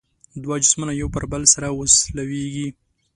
دوه جسمونه یو پر بل سره وسولیږي.